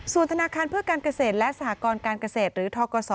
ส่วนธนาคารเพื่อการเกษตรและสหกรการเกษตรหรือทกศ